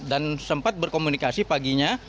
dan sempat berkomunikasi paginya